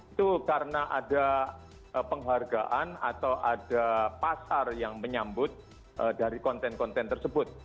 itu karena ada penghargaan atau ada pasar yang menyambut dari konten konten tersebut